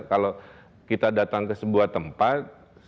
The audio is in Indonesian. kalau kita datang ke sebuah tempat